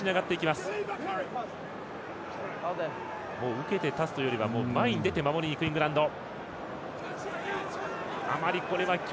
受けて立つというよりは前に出て守りにいくイングランド。